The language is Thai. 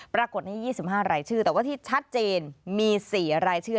ปรากฏนี้๒๕รายชื่อแต่ว่าที่ชัดเจนมี๔รายชื่อ